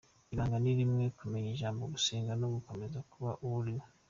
Ibanga ni rimwe, kumenya ijambo, gusenga no gukomeza kuba uwo uri we.